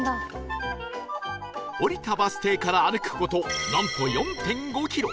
降りたバス停から歩く事なんと ４．５ キロ